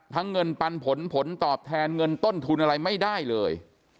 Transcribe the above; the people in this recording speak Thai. เงินปันผลผลตอบแทนเงินต้นทุนอะไรไม่ได้เลย